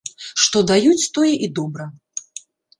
Што даюць, тое і добра.